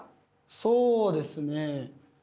そうですね。